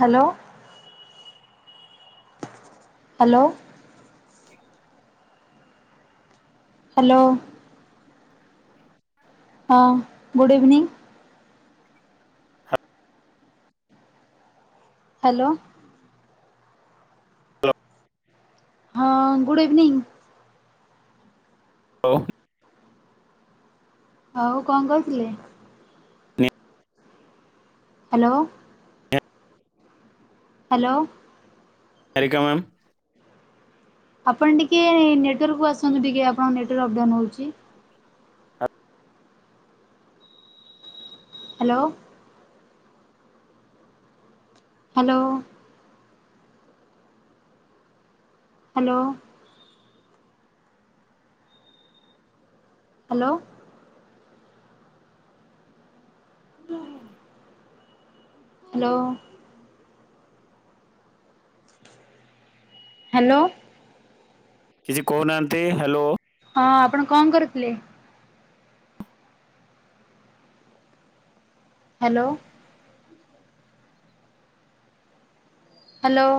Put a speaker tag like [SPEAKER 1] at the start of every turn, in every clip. [SPEAKER 1] Hello. Hello hello. ହଁ good evening. Hello. ହଁ good evening.
[SPEAKER 2] ହଉ।
[SPEAKER 1] ହଉ କଣ କରଚି? Hello.
[SPEAKER 2] Niharika
[SPEAKER 1] hello.
[SPEAKER 2] Harika ma'am.
[SPEAKER 1] ଆପଣ ଟିକେ ନେଟୱାର୍କକୁ ଆସନ୍ତୁ ଟିକେ ଆପଣଙ୍କ ନେଟାର୍କ ଅପଡାଉନ ହଉଛି। ହ୍ୟାଲୋ। ହ୍ୟାଲୋ। ହ୍ୟାଲୋ। ହ୍ୟାଲୋ। କହ। ହ୍ୟାଲୋ। ହ୍ୟାଲୋ।
[SPEAKER 2] କିଛି କହୁନାହାନ୍ତି ହ୍ୟାଲୋ।
[SPEAKER 1] ହଁ ଆପଣ କଣ କରୁଥିଲେ? Hello. Hello.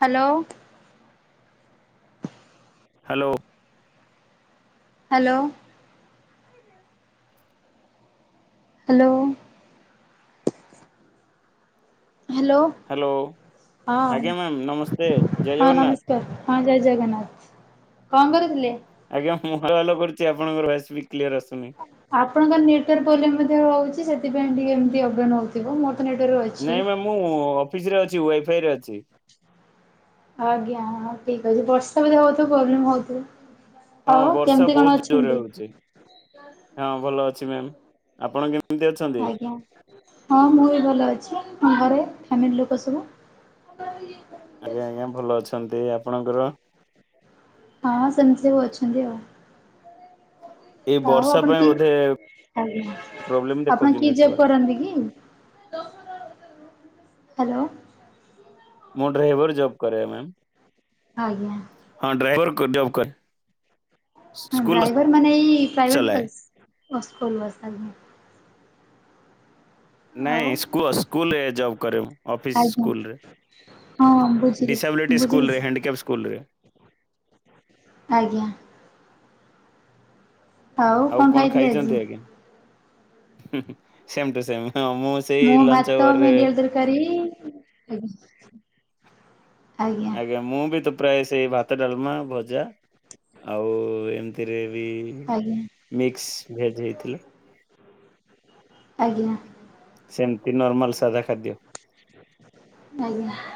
[SPEAKER 1] Hello.
[SPEAKER 2] Hello.
[SPEAKER 1] Hello. Hello. Hello.
[SPEAKER 2] Hello
[SPEAKER 1] ହଁ
[SPEAKER 2] ଆଜ୍ଞା ମ୍ୟାାମ ନମସ୍ତେ ଜୟ
[SPEAKER 1] ହଁ
[SPEAKER 2] ଜଗନ୍ନାଥ।
[SPEAKER 1] ନମସ୍କାର ହଁ ଜୟ ଜଗନ୍ନାଥ କଣ କରୁଥିଲେ?
[SPEAKER 2] ଆଜ୍ଞା ମୁଁ ଭଲ କରୁଛି ଆପଣଙ୍କର ଭଏସ ବି କ୍ଲିୟର ଆସୁନି।
[SPEAKER 1] ଆପଣଙ୍କର ନେଟାର୍ ପ୍ରୋଲେମ୍ ମଧ୍ୟ ହଉଚି ସେଥିପାଇଁ ଟିକେ ଏମିତି ଅପ ଡାଉନ୍ ହଉଥିବ। ନେଟୱାର୍କ
[SPEAKER 2] ନାଇଁ
[SPEAKER 1] ଅଛି।
[SPEAKER 2] ମ୍ୟାମ୍ ମୁଁ ଅଫିସରେ ଅଛି ୱାଇଫାଇ ରେ ଅଛି।
[SPEAKER 1] ଆଜ୍ଞାଁ ହଁ ଠିକ ଅଛି ବର୍ଷା ବୋଧେ ହଉଥିବ ପ୍ରୋବ୍ଲେମ ହଉଥିବ।
[SPEAKER 2] ହଁ
[SPEAKER 1] ଆଉ
[SPEAKER 2] ବର୍ଷା
[SPEAKER 1] କେମିତି କଣ
[SPEAKER 2] ବହୁତ ଜୋରରେ
[SPEAKER 1] ଅଛନ୍ତି?
[SPEAKER 2] ହଉଛି ହଁ ଭଲ ଅଛି ମ୍ୟାମ୍ ଆପଣ କେମ୍
[SPEAKER 1] ଆଜ୍ଞା ହଁ ମୁଁ ବି ଭଲ ଅଛି ଘରେ ଫ୍ୟାମିଲୀ ଲୋକ ସବୁ? [inaudible]
[SPEAKER 2] ଆଜ୍ଞା ଆଜ୍ଞା ଭଲ ଅଛନ୍ତି ଆପଣଙ୍କର?
[SPEAKER 1] ହଁ ସେମିତି ସବୁ ଅଛନ୍ତି ଆଉ।
[SPEAKER 2] ଏଇ
[SPEAKER 1] ଆଉ
[SPEAKER 2] ବର୍ଷା
[SPEAKER 1] ଆପଣ
[SPEAKER 2] ପାଇଁ
[SPEAKER 1] କି
[SPEAKER 2] ବୋଧେ
[SPEAKER 1] ଆଞ
[SPEAKER 2] ପ୍ରୋବ୍ଲେମ
[SPEAKER 1] ଆପଣ
[SPEAKER 2] ଦେଖଉଛି
[SPEAKER 1] କି ଜୋବ୍
[SPEAKER 2] ନେଟୱାର୍କ।
[SPEAKER 1] କରନ୍ତି କି? ହ୍ୟାଲୋ।
[SPEAKER 2] ମୁଁ ଡ୍ରାଇଭର ଜୋବ କରରେ ମମ।
[SPEAKER 1] ଆଜ୍ଞା।
[SPEAKER 2] ହଁ ଡ୍ରାଇଭର ଜବ କର
[SPEAKER 1] ହଁ ଡ୍ରାଇଭର ମାନେ ପ୍ରାଇଭେଟ
[SPEAKER 2] ଚଲାଏ।
[SPEAKER 1] Bus school bus.
[SPEAKER 2] ନାଇଁ
[SPEAKER 1] ଆଉ
[SPEAKER 2] ସ୍କୁଲ ସ୍କୁଲରେ ଜବ୍ କରରେ ମୁୁ। ଅଫିସ୍
[SPEAKER 1] ଆଜ୍ଞା
[SPEAKER 2] ସ୍କୁଲରେ
[SPEAKER 1] ହଁ ବୁଝିଲି
[SPEAKER 2] ଡିସାବିଲିଟି
[SPEAKER 1] ବୁଝିଲି
[SPEAKER 2] ସ୍କୁଲରେ ହ୍ୟାଣ୍ଡିକ୍ୟାପ୍ ସ୍କୁଲରେ।
[SPEAKER 1] ଆଜ୍ଞା।
[SPEAKER 2] ଆଉ କଣ ଖାଇଛନ୍ତି ଆଜ୍ଞା? ସମ୍ ଟୋ ସମେ
[SPEAKER 1] ମୋ ଭାତ ଭେଣ୍ଡିଆଳୁ ତରକାରୀ।
[SPEAKER 2] ଆଜ୍ଞା ମୁଁ ବି ତ ପ୍ରାୟ ସେଇ ଭାତ, ଡାଲମା, ଭଜା ଆଉ ଏମିତିରେ ବି
[SPEAKER 1] ଆଜ୍ଞା
[SPEAKER 2] ମିକ୍ସ ଭେଜ ହେଇଥିଲା।
[SPEAKER 1] ଆଜ୍ଞା।
[SPEAKER 2] ସେମିତି ନର୍ମାଲ ସାଧା ଖାଦ୍ୟ।
[SPEAKER 1] ଆଜ୍ଞା।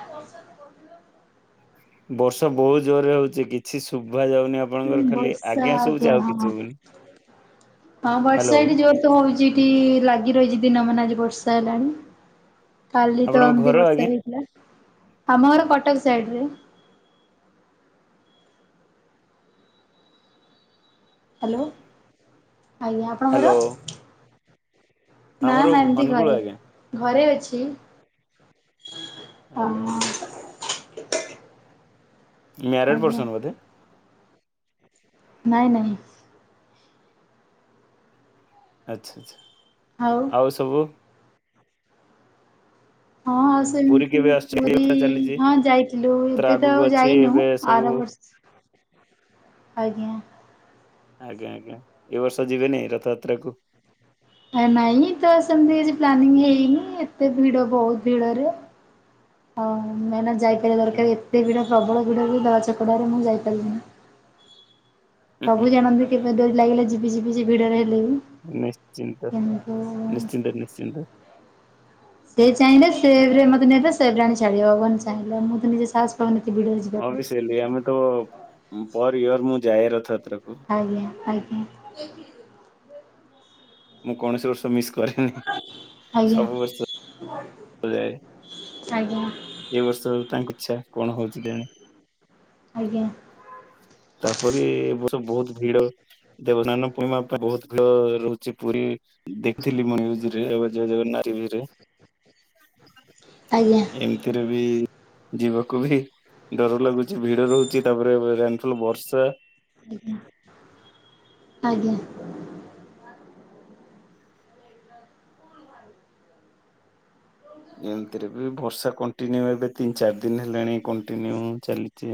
[SPEAKER 2] ବର୍ଷା ବହୁତ ଜୋରରେ ହଉଛି କିଛି ଶୁଭା ଯାଉନି ଆ
[SPEAKER 1] ବର୍ଷା ଆଜ୍ଞା ହଁ-ହଁ
[SPEAKER 2] ହ୍ୟାଲୋ
[SPEAKER 1] ବର୍ଷା ଏଇଠି ଯୋର ତ ହଉଛି ଏଠି ଲାଗି ରହିଛି ଦିନ ମାନ ଆଜି ବର୍ଷା ହେଲାଣି। କାଲି ତ
[SPEAKER 2] ଆପଣଙ୍କ
[SPEAKER 1] ଏମିତି
[SPEAKER 2] ଘର ଆଜ୍ଞା
[SPEAKER 1] ବର୍ଷା ହେଇଥିଲା। ଆମ ଘର କଟକ ସାଇଡ ରେ। ହ୍ୟାଲୋ। ଆଜ୍ଞା ଆପଣଙ୍କର?
[SPEAKER 2] ହ୍ୟାଲୋ
[SPEAKER 1] ନା
[SPEAKER 2] ଆମର
[SPEAKER 1] ନା ଏମିତି
[SPEAKER 2] ଅନୁଗୁଳ
[SPEAKER 1] ଘରେ
[SPEAKER 2] ଆଜ୍ଞା
[SPEAKER 1] ଘରେ ଅଛି। ଅ
[SPEAKER 2] ଆଜ୍ଞା ଆଜ୍ଞା। ମ୍ୟାରେଡ
[SPEAKER 1] ଆଜ୍ଞା
[SPEAKER 2] ପର୍ସନ୍ ବୋଧେ?
[SPEAKER 1] ନାଇଁ ନାଇଁ।
[SPEAKER 2] ଆଚ୍ଛା ଆଚ୍ଛା। ଆଉ ସବୁ
[SPEAKER 1] ହଁ।
[SPEAKER 2] ପୁରୀ କେବେ
[SPEAKER 1] ମୁଁ
[SPEAKER 2] ଆସୁଛନ୍ତି
[SPEAKER 1] ପୁରୀ
[SPEAKER 2] ଯାତ୍ରା ଚାଲିଛି
[SPEAKER 1] ହଁ ଯାଇଥିଲୁ
[SPEAKER 2] ଯାତ୍ରା
[SPEAKER 1] ଏବେ ତ
[SPEAKER 2] ଆଗକୁ
[SPEAKER 1] ଆଉ
[SPEAKER 2] ଅଛି
[SPEAKER 1] ଯାଇନୁ
[SPEAKER 2] ଏବେ ସବୁ
[SPEAKER 1] ଆର ବର୍ଷ। ଆଜ୍ଞା।
[SPEAKER 2] ଆଜ୍ଞା ଆଜ୍ଞା। ଏ ବର୍ଷ ଯିବେନି ରଥଯାତ୍ରା କୁ?
[SPEAKER 1] ନାଇଁ ତ ସେମିତି କିଛି ପ୍ଲାନିଂ ହେଇନି ଏତେ ଭିଡ ବହୁତ ଭିଡ଼ରେ। ହଁ ଆମେ ଏଇନା ଯାଇ ପାରିବା ଦରକାର। ଏତେ ଭିଡ଼ ପ୍ରବଳ ଭିଡ଼ ବି ଦଲା ଚକଡ଼ାରେ ମୁଁ ଯାଇପାରିନି ସବୁ ଜାଣନ୍ତି। କେବେ ଡୋରି ଲାଗିଲେ ଯିବି ଯିବି ଭିଡରେ ହେଲେ ବି। କିନ୍ତୁ
[SPEAKER 2] ନିଶ୍ଚିନ୍ତ-ନିଶ୍ଚିନ୍ତ-ନିଶ୍ଚିନ୍ତ।
[SPEAKER 1] ସେ ଚାହିଁଲେ ସେଭ ରେ ମତେ ନେବେ ସେଭ ଆଣି ଛାଡ଼ିବେ ଭଗବାନ ଚାହିଁଲେ ମୁଁ ତ ନିଜ ସାହାସ। [unintelligible] ଭିଡ଼ ରେ ଯିବା ପାଇଁ।
[SPEAKER 2] ଅବିସିଲି ଆମେ ତ ପର ଇୟର ମୁଁ ଯାଏ ରଥଯାତ୍ରାକୁ।
[SPEAKER 1] ଅଜ୍ଞା ଅଜ୍ଞା। [inaudible]
[SPEAKER 2] ମୁଁ କଣସିର୍ଷ ମିସ୍ କରେନି
[SPEAKER 1] ଆଜ୍ଞା
[SPEAKER 2] ସବୁ ବର୍ଷ ଯାଏ
[SPEAKER 1] ଆଜ୍ଞା।
[SPEAKER 2] ଏ ବର୍ଷ ତାଙ୍କ ଇଚ୍ଛା କଣ ହଉଛି ଜଣି
[SPEAKER 1] ଆଜ୍ଞା।
[SPEAKER 2] ତାପରେ ଏ ବର୍ଷ ବହୁତ ଭିଡ। ଦେବନାନ ପୂର୍ଣିମା ବହୁତ ଭିଳ ରହୁଛି ପୁରୀ ଦେଖିଥିଲି ମୁଁ ୟରେ ଜଗନ୍ଟିଭିରେ।
[SPEAKER 1] ଆଜ୍ଞା।
[SPEAKER 2] ଏମିତିରେ ବି ଯିବାକୁ ବି ଡର ଲାଗୁଛି ଭିଡ ରହୁଛି। ତାପରେ ରେନଫଲ ବର୍ଷା।
[SPEAKER 1] ଅଜ୍ଞା ଆଜ୍ଞା।
[SPEAKER 2] ଏମିତିରେ ବି ବର୍ଷା କଣ୍ଟିନ୍ୟୁ ଏବେ ତିନି ଚାରି ଦିନ ହେଲାଣି। କଣ୍ଟିନ୍ୟୁ ଚାଲିଛି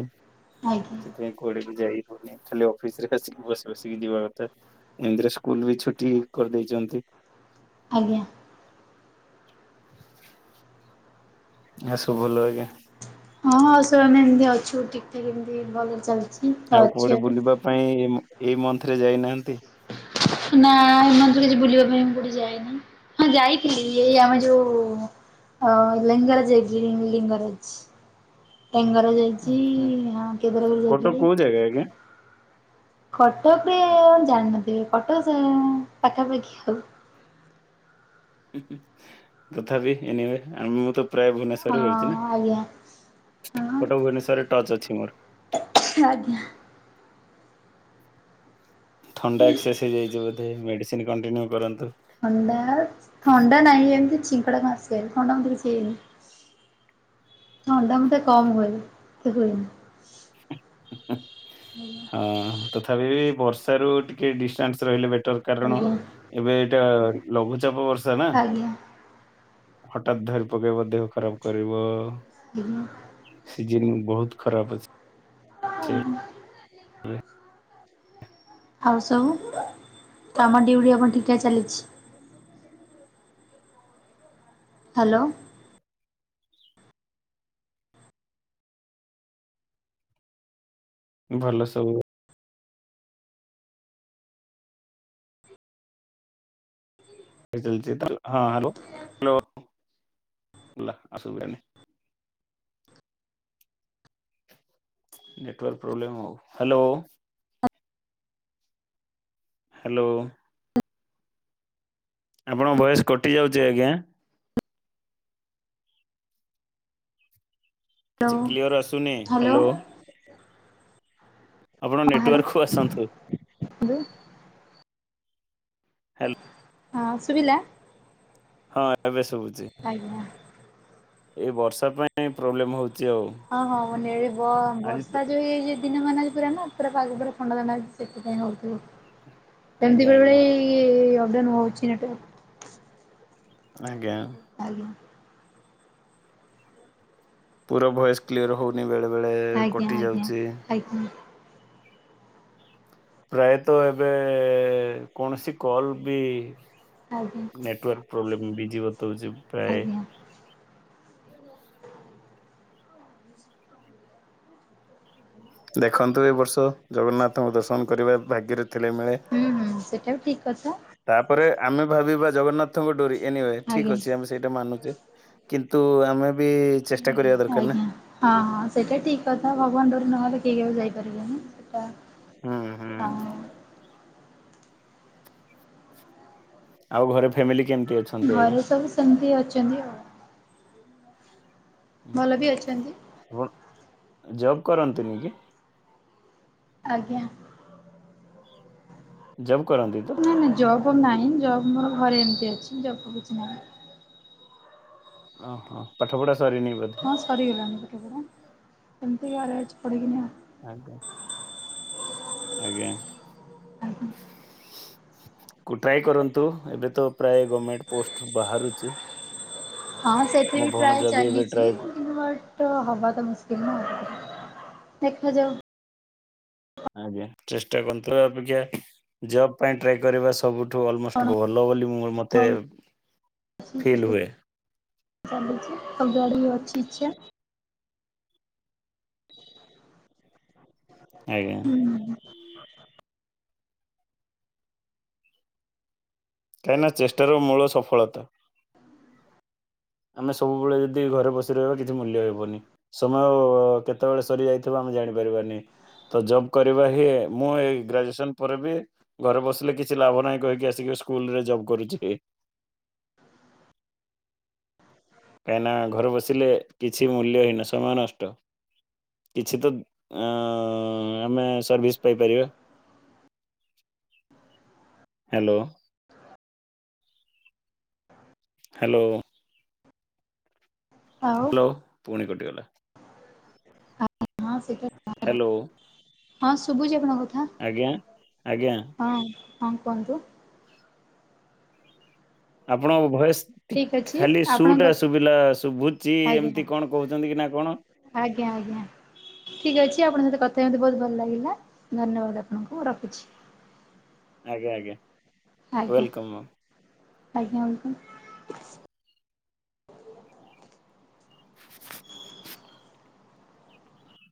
[SPEAKER 1] ଆଜ୍ଞା
[SPEAKER 2] ସେଥିପାଇଁ। କୁଆଡେ ବି ଯାଇହଉଁ। ଖାଲି ଅଫିସରେ ଆସିକି ବସି ବସିକି ଯିବା କଥା। ଏମିତିରେ ସ୍କୁଲ ବି ଛୁଟି କରିଦେଇଛନ୍ତି।
[SPEAKER 1] ଆଜ୍ଞା।
[SPEAKER 2] ଏ ସବୁ ଭଲ ଆଜ୍ଞା।
[SPEAKER 1] ହଁ ଆଉ ସବୁ ଆମେ ଏମିତି ଅଛୁ ଠିକ ଠାକ ଏମିତି ଭଲରେ ଚାଲିଛି। ତ
[SPEAKER 2] ଆଉ
[SPEAKER 1] ଅଛି
[SPEAKER 2] କୁଆଡେ
[SPEAKER 1] ଏବେ।
[SPEAKER 2] ବୁଲିବା ପାଇଁ ଏଇ ମନ୍ଥ ରେ ଯାଇନାହାନ୍ତି?
[SPEAKER 1] ନା ଏମାନ ତର କିଛି ବୁଲିବା ପାଇଁ ମୁଁ କୋଠେ ଯାଏନ ହଁ ଯାଇଥିଲି ଏଇ ଆମେ ଯୋଉ ଅ ଲିଙ୍ଗରାଜ୍ ହେଇକି ଲିଙ୍ଗରାଜ ଲିଙ୍ଗରାଜଇ ଆଜି ହଁ କେଦାରଗ ଯାଇଥିଲ।
[SPEAKER 2] [unintelligible]
[SPEAKER 1] କଟକରେ କଣ ଜାଣିନଥିବେ କଟକ ପାଖାପାଖି ଆଉ
[SPEAKER 2] ତଥାପି ଏନିୱେ ଆ ମୁଁ ତ ପ୍ରାୟ
[SPEAKER 1] ହଁ
[SPEAKER 2] ଭୁବନେଶ୍ଵରରେ ରହୁଛି ନା
[SPEAKER 1] ଆଜ୍ଞା ହଁ
[SPEAKER 2] ଗୋଟେ ଭୁବନେଶ୍ଵରରେ ଟଚ ଅଛି ମୋର।
[SPEAKER 1] [inaudible]
[SPEAKER 2] ଥଣ୍ଡା ଏକ୍ସରସାଇଯାଇଛି ବୋଧେ ମେଡିସିନ କଣ୍ଟିନ୍ୟୁ କରନ୍ତୁ।
[SPEAKER 1] ଥଣ୍ଡା ଥଣ୍ଡା ନାହିଁ ଏମିତି ଚିଙ୍କଡା ଘାସ ଥଣ୍ଡା ମତେ କିଛି ହେଇନି ଥଣ୍ଡା ମତେ କମ ହୁଏ ହୁଏନି।
[SPEAKER 2] [inaudible]
[SPEAKER 1] [inaudible]
[SPEAKER 2] ଅ ତଥାପି ବର୍ଷ ରୁ ଟିକେ ଡିଷ୍ଟାନ୍ସ ରହିଲେ ବେଟର କାରଣ
[SPEAKER 1] ଆଜ୍ଞା
[SPEAKER 2] ଏବେ ଏଇଟା ଲଘୁଚାପ ବର୍ଷା ନା?
[SPEAKER 1] ଆଜ୍ଞା।
[SPEAKER 2] ହଠାତ୍ ଧରି ପକେଇବ ଦେହ ଖରାପ କରିବ
[SPEAKER 1] ଆଜ୍ଞା
[SPEAKER 2] ସିଜନ ବହୁତ ଖରାପ ଅଛି ସେ
[SPEAKER 1] ଆଉ ସବୁ ତ ଆମ ଡିଉଟି ଆପଣ ଠିକ ଚାଲିଛି। ହ୍ୟାଲୋ।
[SPEAKER 2] ଭଲ ସବୁ। ଚ ହଁ ହ୍ୟାଲୋ ହ୍ୟାଲୋ। ଆସୁଭେ ନେଟୱର୍ ପ୍ରୋବ୍ଲେମ ହଉ ହ୍ୟାଲୋ। ହ୍ୟାଲୋ। ଆପଣଙ୍କ ବୟସ କଟି ଯାଉଛି ଆଜ୍ଞା। କିଛି
[SPEAKER 1] ହ୍ୟାଲୋ
[SPEAKER 2] କ୍ଲିଅର୍ ଆସୁନି ହ୍ୟାଲୋ। ଆପଣ
[SPEAKER 1] ହଁ ହ୍ୟାଲୋ
[SPEAKER 2] ନେଟୱାର୍କକୁୁ ଆସନ୍ତୁ।
[SPEAKER 1] [inaudible]
[SPEAKER 2] ହ୍ୟାଲୋ
[SPEAKER 1] ହଁ ସୁଭିଲା।
[SPEAKER 2] ହଁ ଏବେ ଶୁଭୁଛି।
[SPEAKER 1] ଆଜ୍ଞା
[SPEAKER 2] ଏଇ ବର୍ଷା ପାଇଁ ପ୍ରୋବ୍ଲେମ୍ ହଉଛି ଆଉ।
[SPEAKER 1] ହଁ ହଁ ନେଳିବ
[SPEAKER 2] ଆଜି ତ
[SPEAKER 1] ବର୍ଷା ଯୋଉ ଏଇ ଯ ଦିନ ମ ପୁରା ନା ପୁରା ପାଗ ପୁରା ଥଣ୍ଡା ଥଣ୍ଡା ସେଥିପାଇଁ ହଉଥିବ। ଏମିତି
[SPEAKER 2] ଆଜ୍ଞା
[SPEAKER 1] ବେଳେ ବେଳେ
[SPEAKER 2] ଆଜ୍ଞା
[SPEAKER 1] ଅପଡାଉ ହଉଛିଟ
[SPEAKER 2] ଆଜ୍ଞା।
[SPEAKER 1] ଆଜ୍ଞା।
[SPEAKER 2] ପୁର ଭଏସ୍ କ୍ଲିଅର ହେଉନି ବେଳେ ବେଳେ କଟିଯାଉଛି
[SPEAKER 1] ହୁଁ
[SPEAKER 2] ପ୍ରାୟତଃ ଏବେ କୌଣସି କଲ ବି
[SPEAKER 1] ଆଜ୍ଞା
[SPEAKER 2] ନେଟୱାର୍କ ପ୍ରୋବ୍ଲେମ୍ ବିଜି ବତାଉଛି ପ୍ରାୟ। ଦେଖନ୍ତୁ ଏ ବର୍ଷ ଜଗନ୍ନାଥଙ୍କୁ ଦର୍ଶନ କରିବା ଭାଗ୍ୟରେ ଥିଲେ ମିଳେ।
[SPEAKER 1] ହୁଁ ହୁଁ ସେଟା ବି ଠିକ୍ କଥା
[SPEAKER 2] ତାପରେ ଆମେ ଭାବିବା ଜଗନ୍ନାଥଙ୍କ ଡୋରି ଏନିୱେ ଠିକ୍
[SPEAKER 1] ଆଜ୍ଞା।
[SPEAKER 2] ଅଛି ଆମ ସେଇଟା ମାନୁଛେ କିନ୍ତୁ ଆମେ ବି ଚେଷ୍ଟା କରିବା ଦରକାର ନା
[SPEAKER 1] ଆଜ୍ଞା। ହଁ ହଁ ସେଇଟା ଠିକ କଥା ଭଗବାନ ଡୋରି ନହେଲେ କେହି କେଉ ଯାଇପାରିବେନି ସେଇଟା
[SPEAKER 2] ହୁଁ ହୁଁ।
[SPEAKER 1] ହଁ।
[SPEAKER 2] ଆଉ ଘରେ ଫ୍ୟାମିଲି କେମିତି ଅଛନ୍ତି? ଆଜ୍ଞା?
[SPEAKER 1] ଘରେ ସବୁ ସେମିତି ଅଛନ୍ତି ଆଉ। ଭଲ ବି ଅଛନ୍ତି।
[SPEAKER 2] [unintelligible] ଜବ କରନ୍ତିନି କି?
[SPEAKER 1] ଆଜ୍ଞା।
[SPEAKER 2] ଜବ କରନ୍ତିନି।
[SPEAKER 1] ନାଇଁ ନାାଇଁ ଜବ୍ ନାହିଁ ଜବ୍ ମୋର ଘରେ ଏମିତି ଅଛି ଜବ୍ କିଛି ନାହିଁ।
[SPEAKER 2] ଓହୋ ପାଠ ପଢା ସରିନି ବୋଧେ?
[SPEAKER 1] ହଁ ସରିଗଲାଣି ପଟ ପଡ଼ ଏମିତିକା ଆରେ ଅଛି ପଡ଼ିକିନିଉ।
[SPEAKER 2] ଆଜ୍ଞା ଧଳ ଆଜ୍ଞା।
[SPEAKER 1] [inaudible]
[SPEAKER 2] ଟ୍ରାଏ କରନ୍ତୁ ଏବେ ତ ପ୍ରାୟ ଗଭର୍ଣ୍ଣମେଣ୍ଟ ପୋଷ୍ଟ ବାହାରୁଛି।
[SPEAKER 1] ହଁ ସେଠି ବି ପ୍ରାୟ
[SPEAKER 2] ବି ଏବେ
[SPEAKER 1] ଚାଲିଛି
[SPEAKER 2] ଟ୍ରାଏ କୁ
[SPEAKER 1] ବଟ୍ ତ ହବା ତ ମୁସ୍କିଲ ନା ଦେଖାଯାଉ।
[SPEAKER 2] ଆ୍ଞ ଚେଷ୍ଟା କନ୍ତୁ ଆପିକ ଜବ୍ ପାଇଁ ଟ୍ରାଏ କରିବା ସବୁଠୁ ଅଲମୋଷ୍ଟ ଭଲ ବୋଲି ମୋ ମ
[SPEAKER 1] ହଉ [inaudible] ଆମ ଆଡେ ଅଛି ଚା।
[SPEAKER 2] ଆଜ୍ଞା।
[SPEAKER 1] ହୁଁ
[SPEAKER 2] କାହିଁକି ନା ଚେଷ୍ଟାର ମୂଳ ସଫଳତା। ଆମେ ସବୁବେଳେ ଯଦି ଘରେ ବସି ରହିବା କିଛି ମୂଲ୍ୟ ହେବନି। ସମୟ କେତେବେଳେ ସରି ଯାଇଥିବ ଆମେ ଜାଣିପାରିବାନି। ତ ଜବ୍ କରିବା ହିଁ ମୁଁ ଏଇ ଗ୍ରାଜୁଏସନ ପରେ ବି ଘରେ ବସିଲେ କିଛି ଲାଭ ନାହିଁ କହିକି ଆସିକି ସ୍କୁଲ ରେ ଜବ୍ କରୁଛି। କାହିଁକି ନା ଘରେ ବସିଲେ କିଛି ମୂଲ୍ୟ ହୀନ ସମୟ ନଷ୍ଟ। କିଛି ତ ଆମେ ସର୍ଭିସ୍ ପାଇପାରିବା।
[SPEAKER 1] ହ
[SPEAKER 2] ହ୍ୟାଲୋ। ହ୍ୟାଲୋ।
[SPEAKER 1] ଆଉ
[SPEAKER 2] ହ୍ୟାଲୋ ପୁଣି କଟିଗଲା।
[SPEAKER 1] [unintelligible]
[SPEAKER 2] ହ୍ୟାଲୋ।
[SPEAKER 1] ହଁ, ଶୁଭୁଛି ଆପଣଙ୍କ କଥା।
[SPEAKER 2] ଆଜ୍ଞା, ଆଜ୍ଞା।
[SPEAKER 1] ହଁ, ହଁ କୁହନ୍ତୁ।
[SPEAKER 2] ଆପଣଙ୍କ ଭଏସ
[SPEAKER 1] ଠିକ୍ ଅଛି
[SPEAKER 2] ଖାଲି ଶୁ ଟା
[SPEAKER 1] ଆପଣଙ୍କ
[SPEAKER 2] ଶୁଭିଲା ଶୁଭୁଛି
[SPEAKER 1] ଆଜ୍ଞା
[SPEAKER 2] ଏମିତି କଣ କହୁଛନ୍ତି କି ନା କଣ।
[SPEAKER 1] ଆଜ୍ଞା, ଆଜ୍ଞା। ଠିକ ଅଛି ଆପଣଙ୍କ ସହିତ କଥା ହେଇକି ବହୁତ ଭଲ ଲାଗିଲା, ଧନ୍ୟବାଦ ଆପଣଙ୍କୁ ରଖୁଛି।
[SPEAKER 2] ଆଜ୍ଞା, ଆଜ୍ଞା।
[SPEAKER 1] ଆଜ୍ଞା ଆଜ୍ଞା ଆଜ୍ଞା।
[SPEAKER 2] [inaudible]